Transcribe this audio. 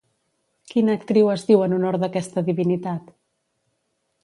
Quina actriu es diu en honor d'aquesta divinitat?